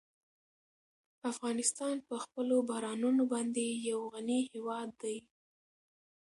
افغانستان په خپلو بارانونو باندې یو غني هېواد دی.